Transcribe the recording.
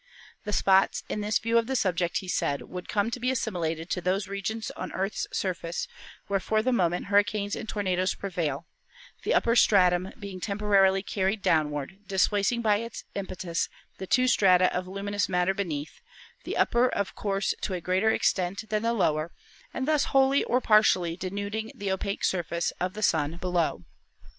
"The spots, in this view of the subject," he said, "would come to be assimilated to those regions on the Earth's surface where for the moment hurricanes and tornadoes prevail, the upper stratum being temporarily carried down ward, displacing by its impetus the two strata of luminous matter beneath, the upper of course to a greater extent than the lower, and thus wholly or partially denuding the opaque surface of the Sun below."